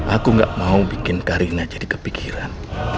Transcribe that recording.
aku gak mau bikin karina jadi kepikiran